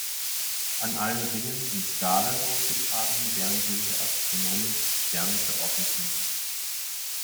An allen Ringen sind Skalen aufgetragen mit deren Hilfe Astronomen Sterne verorten können.